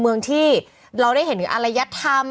เมืองที่เราได้เห็นถึงอารยธรรม